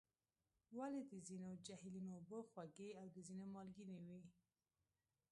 ولې د ځینو جهیلونو اوبه خوږې او د ځینو مالګینې وي؟